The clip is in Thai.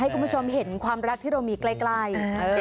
คุณผู้ชมเห็นความรักที่เรามีใกล้